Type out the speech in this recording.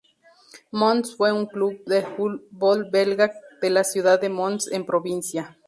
Mons fue un club de fútbol belga de la ciudad de Mons en provincia.